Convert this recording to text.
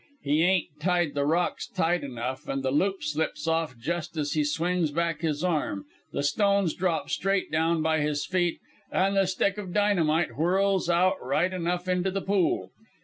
He ain't tied the rocks tight enough, an' the loop slips off just as he swings back his arm, the stones drop straight down by his feet, and the stick of dynamite whirls out right enough into the pool.